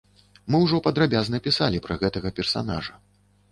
Мы ўжо падрабязна пісалі пра гэтага персанажа.